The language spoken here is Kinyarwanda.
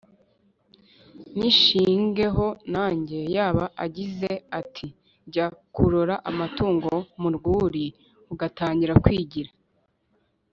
Nyishingeho nanjye"Yaba agize ati "jya kurora Amatungo mu rwuri Ugatangira kwigira